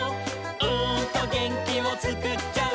「うーんとげんきをつくっちゃう」